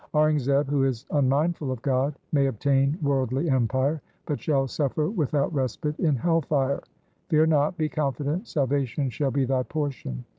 Aurangzeb, who is unmindful of God, may obtain worldly empire, but shall suffer without respite in hell fire. Fear not ; be confident ; salvation shall be .thy portion.